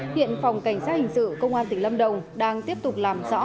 hiện phòng cảnh sát hình sự công an tỉnh lâm đồng đang tiếp tục làm rõ